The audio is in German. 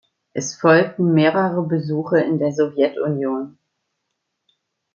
Es folgten mehrere Besuche in der Sowjetunion.